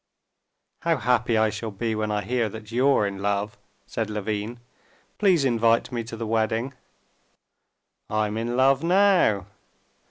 "How happy I shall be when I hear that you're in love!" said Levin. "Please invite me to the wedding." "I'm in love now."